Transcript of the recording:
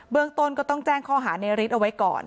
เมืองต้นก็ต้องแจ้งข้อหาในฤทธิ์เอาไว้ก่อน